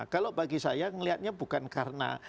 kalau bagi saya melihatnya bukan karena